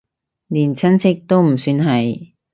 連親戚都唔算係